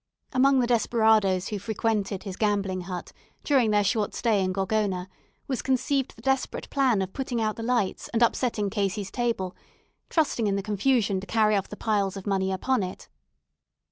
Among the desperadoes who frequented his gambling hut, during their short stay in Gorgona, was conceived the desperate plan of putting out the lights, and upsetting Casey's table trusting in the confusion to carry off the piles of money upon it.